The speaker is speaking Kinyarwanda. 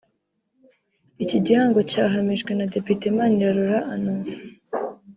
Iki gihango cyahamijwe na Depite Manirarora Annoncée